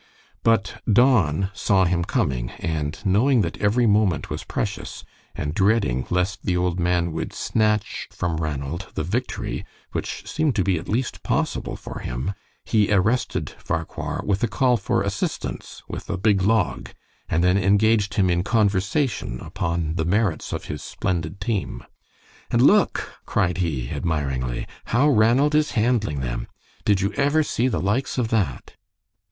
But Don saw him coming, and knowing that every moment was precious, and dreading lest the old man would snatch from Ranald the victory which seemed to be at least possible for him, he arrested Farquhar with a call for assistance with a big log, and then engaged him in conversation upon the merits of his splendid team. "And look," cried he, admiringly, "how Ranald is handling them! Did you ever see the likes of that?"